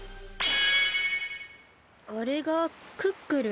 あれがクックルン？